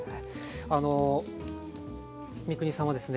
あの三國さんはですね